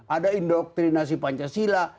ada indoktrinasi pancasila